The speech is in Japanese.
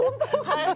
はい。